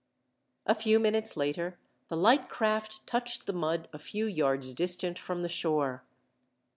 A few minutes later, the light craft touched the mud a few yards distant from the shore.